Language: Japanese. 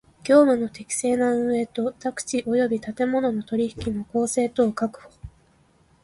業務の適正な運営と宅地及び建物の取引の公正とを確保